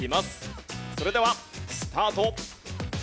それではスタート。